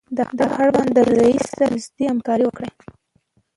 له اړونده رئیس سره نږدې همکاري وکړئ.